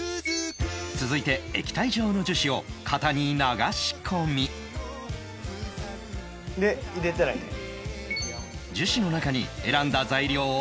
続いて液体状の樹脂を型に流し込みで入れたらええんや。